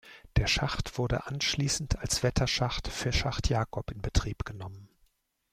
Der Schacht wurde anschließend als Wetterschacht für Schacht Jacob in Betrieb genommen.